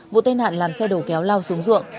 vụ tên hạn làm xe đầu kéo lao xuống ruộng